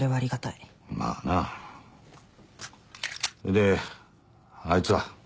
であいつは？